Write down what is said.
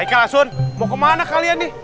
eka lason mau kemana kalian nih